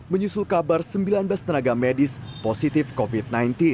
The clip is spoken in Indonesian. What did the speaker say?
menyusul kabar sembilan belas tenaga medis positif covid sembilan belas